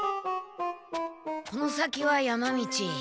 この先は山道。